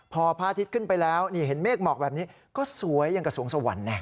พอพระอาทิตย์ขึ้นไปแล้วนี่เห็นเมฆหมอกแบบนี้ก็สวยอย่างกับสวงสวรรค์นะ